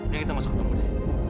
ayo kita masuk ketemu di